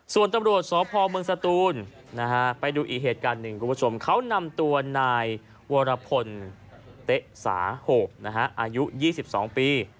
ส่วนตำรวจสพเมืองสตูนไปดูอีกเหตุการณ์หนึ่งคุณผู้ชมเขานำตัวนายวรพลเต๊ะสาโหบอายุ๒๒ปี